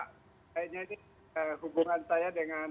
kayaknya ini hubungan saya dengan